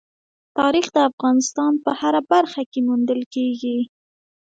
تاریخ د افغانستان په هره برخه کې موندل کېږي.